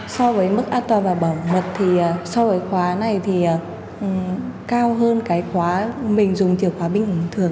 so với mức an toàn và bảo mật thì so với khóa này thì cao hơn cái khóa mình dùng chìa khóa bình thường